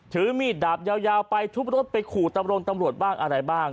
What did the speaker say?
ถือมีดดาบยาวไปทุบรถไปขู่ตำรวจบ้างอะไรบ้าง